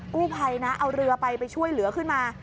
กู้ภัยนะเอาเรือไปไปช่วยเหลือขึ้นมา